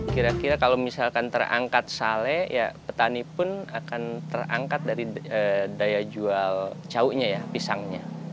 kira kira kalau misalkan terangkat sale ya petani pun akan terangkat dari daya jual cauknya ya pisangnya